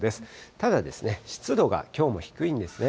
ただ、湿度がきょうも低いんですね。